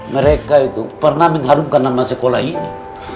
mereka itu pernah mengharumkan nama sekolah ini